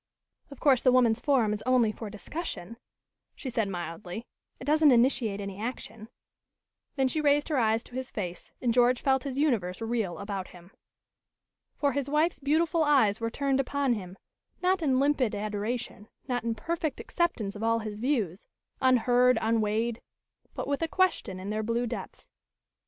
"Of course the Woman's Forum is only for discussion," she said mildly. "It doesn't initiate any action." Then she raised her eyes to his face and George felt his universe reel about him. For his wife's beautiful eyes were turned upon him, not in limpid adoration, not in perfect acceptance of all his views, unheard, unweighed; but with a question in their blue depths.